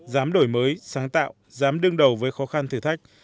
giám đổi mới sáng tạo giám đứng đầu với khó khăn thử thách